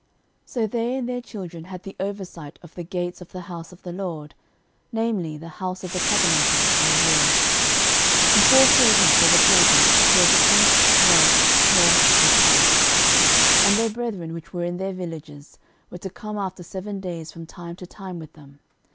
13:009:023 So they and their children had the oversight of the gates of the house of the LORD, namely, the house of the tabernacle, by wards. 13:009:024 In four quarters were the porters, toward the east, west, north, and south. 13:009:025 And their brethren, which were in their villages, were to come after seven days from time to time with them.